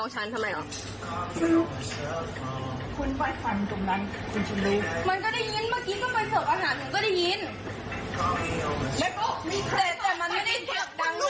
ก็ได้ยินแต่มันไม่ได้เกือบดังได้ไหมว่า